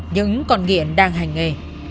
những con nghiện đang hành nghề